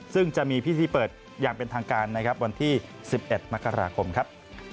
ซึ่งจะมีพิธีเปิดอย่างเป็นทางการนะครับวันที่๑๑มกราคมครับ